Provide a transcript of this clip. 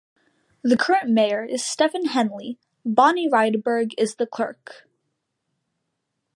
The current mayor is Stephen Henley, Bonnie Rydberg is the clerk.